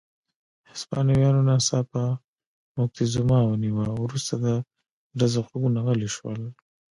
هسپانویانو ناڅاپه موکتیزوما ونیوه، وروسته د ډزو غږونه غلي شول.